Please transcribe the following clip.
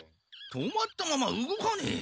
止まったまま動かねえ。